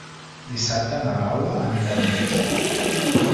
Dissabte na Paula anirà al metge.